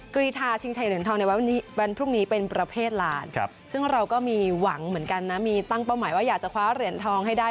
กรีธาชิงชัยเหรียญทองในวันพรุ่งนี้เป็นประเภทลานซึ่งเราก็มีหวังเหมือนกันนะมีตั้งเป้าหมายว่าอยากจะคว้าเหรียญทองให้ได้